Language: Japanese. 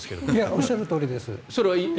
おっしゃるとおりです。